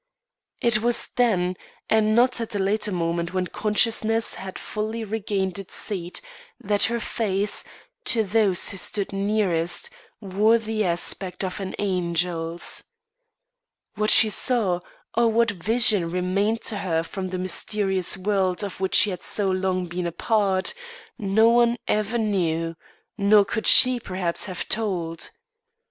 It was then and not at a later moment when consciousness had fully regained its seat that her face, to those who stood nearest wore the aspect of an angel's. What she saw, or what vision remained to her from the mysterious world of which she had so long been a part, none ever knew nor could she, perhaps, have told.